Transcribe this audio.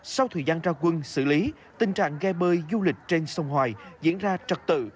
sau thời gian ra quân xử lý tình trạng ghe bơi du lịch trên sông hoài diễn ra trật tự